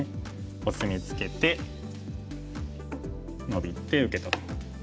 コスミツケてノビて受けたと。